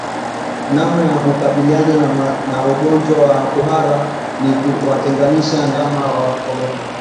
Namna ya kukabiliana na ugonjwa wa kuhara ni kuwatenganisha ndama wagonjwa